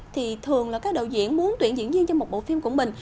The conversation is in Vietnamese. thì thường là các đạo diễn muốn tuyển diễn viên cho một bộ phim của mình